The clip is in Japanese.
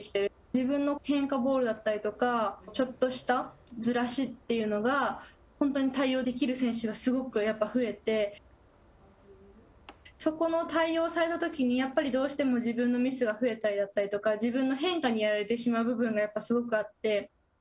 自分の変化ボールだったりとか、ちょっとしたずらしというのが本当に対応できる選手がすごく増えてそこの対応をされたときにやっぱりどうしても自分のミスが増えたりだったりとか、自分の変化にやられてしまう部分がすごくあって。